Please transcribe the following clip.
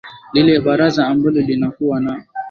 lile baraza ambalo linakuwa na